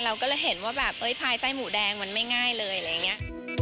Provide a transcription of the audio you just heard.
เราก็เลยเห็นว่าแบบเอ้ยภายไส้หมูแดงมันไม่ง่ายเลยอะไรอย่างนี้